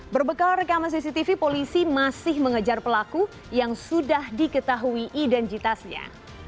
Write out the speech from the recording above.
berbekal rekaman cctv polisi masih mengejar pelaku yang sudah diketahui identitasnya